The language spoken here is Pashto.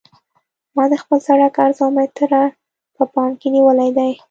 ما د خپل سرک عرض اوه متره په پام کې نیولی دی